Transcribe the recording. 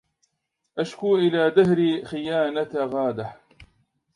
أشكو إلى دهري خيانة غادة